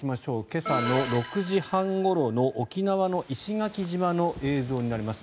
今朝の６時半ごろの沖縄の石垣島の映像になります。